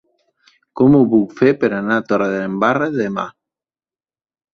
Com ho puc fer per anar a Torredembarra demà?